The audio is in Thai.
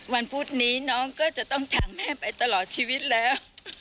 พุธนี้น้องก็จะต้องถามแม่ไปตลอดชีวิตแล้ว